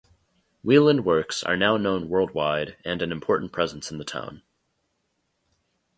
Wieland Works are now known worldwide and an important presence in the town.